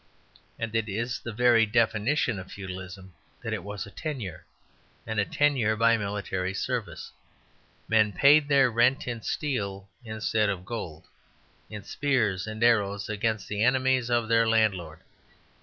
And it is the very definition of Feudalism that it was a tenure, and a tenure by military service. Men paid their rent in steel instead of gold, in spears and arrows against the enemies of their landlord.